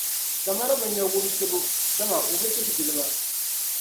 Samaru bi nya wumsibu, dama o bi tiri jilima